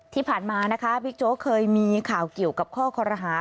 ที่ผ่านมานะคะบิ๊กโจ๊กเคยมีข่าวเกี่ยวกับข้อคอรหา